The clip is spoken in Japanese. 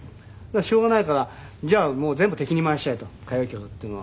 しょうがないからじゃあ全部敵に回しちゃえと歌謡曲っていうのは。